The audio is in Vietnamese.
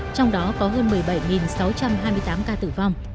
trong đó có hơn một mươi bảy sáu trăm linh ca